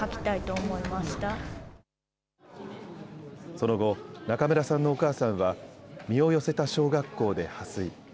その後、中村さんのお母さんは身を寄せた小学校で破水。